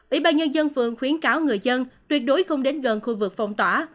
ủy ban nhân dân phường khuyến cáo người dân tuyệt đối không đến gần khu vực phong tỏa